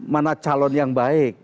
mana calon yang baik